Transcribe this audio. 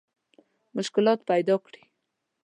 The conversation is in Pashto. مشکلات پیدا کړي.